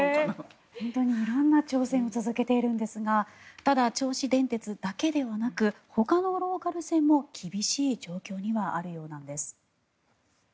本当に色んな挑戦を続けているんですがただ、銚子電鉄だけではなくほかのローカル線も厳しい状況にはあるようなんです。